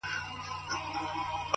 حقیقت ذهن له درنو بارونو خلاصوي،